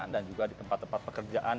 dan juga di tempat tempat pekerjaan